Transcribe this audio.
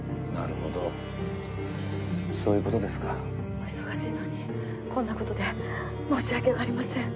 お忙しいのにこんなことで申し訳ありません。